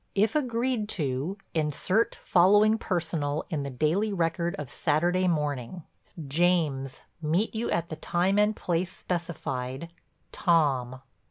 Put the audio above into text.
If agreed to insert following personal in The Daily Record of Saturday morning: 'James, meet you at the time and place specified. Tom.